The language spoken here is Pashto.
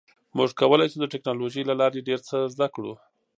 موږ کولی شو د ټکنالوژۍ له لارې ډیر څه زده کړو.